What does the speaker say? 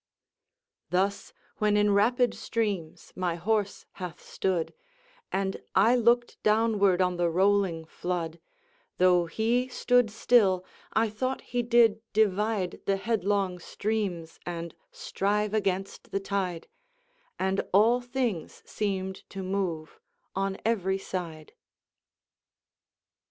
Thus, when in rapid streams my horse hath stood, And I look'd downward on the rolling flood; Though he stood still, I thought he did divide The headlong streams, and strive against the tide, And all things seem'd to move on every side."